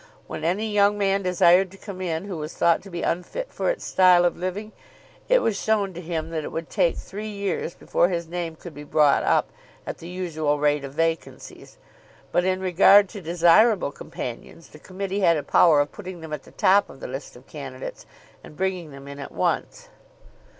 When any young man desired to come in who was thought to be unfit for its style of living, it was shown to him that it would take three years before his name could be brought up at the usual rate of vacancies; but in regard to desirable companions the committee had a power of putting them at the top of the list of candidates and bringing them in at once.